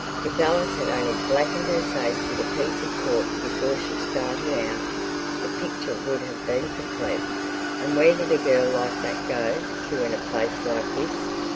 If Alice had only blacked her face with a piece of cork before she started out, the picture would have been complete. And where did a girl like that go to in a place like this?